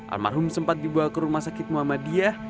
almarhum sempat dibawa ke rumah sakit muhammadiyah